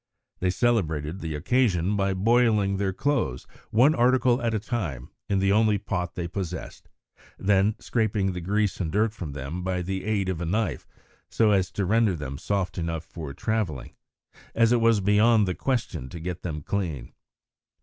They celebrated the occasion by boiling their clothes, one article at a time, in the only pot they possessed, and then scraping the grease and dirt from them by the aid of a knife, so as to render them soft enough for travelling, as it was beyond the question to get them clean.